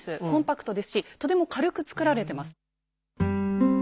コンパクトですしとても軽くつくられてます。